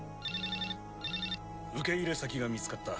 受け入れ先が見つかった。